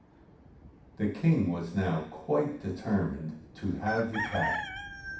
The king was now quite deter mined to have the cat.